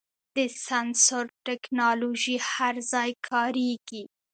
د سنسر ټکنالوژي هر ځای کارېږي.